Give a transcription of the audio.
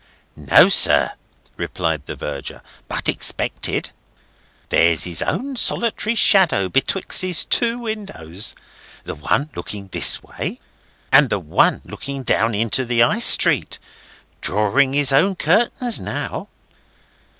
"No, sir," replied the Verger, "but expected. There's his own solitary shadow betwixt his two windows—the one looking this way, and the one looking down into the High Street—drawing his own curtains now."